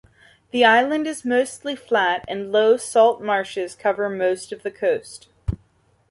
The island is mostly flat and low, salt marshes cover most of the coast.